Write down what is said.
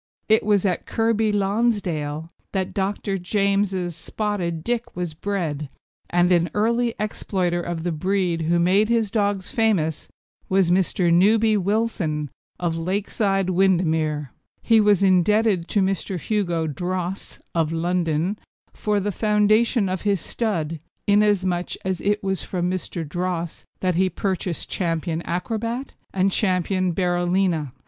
It was at Kirkby Lonsdale that Dr. James's Spotted Dick was bred, and an early exploiter of the breed who made his dogs famous was Mr. Newby Wilson, of Lakeside, Windermere. He was indebted to Mr. Hugo Droesse, of London, for the foundation of his stud, inasmuch as it was from Mr. Droesse that he purchased Ch. Acrobat and Ch. Berolina.